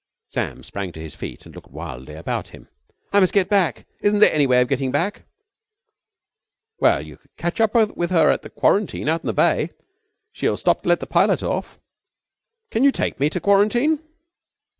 Sam sprang to his feet and looked wildly about him. "I must get back. Isn't there any way of getting back?" "Well, you could catch up with her at quarantine out in the bay. She'll stop to let the pilot off." "Can you take me to quarantine?"